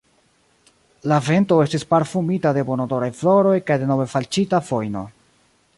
La vento estis parfumita de bonodoraj floroj kaj de novefalĉita fojno.